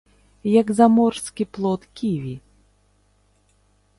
Як заморскі плод ківі.